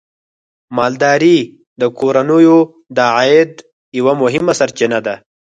مالداري د کورنیو د عاید یوه مهمه سرچینه ده.